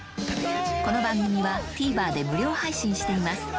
この番組はＴＶｅｒで無料配信しています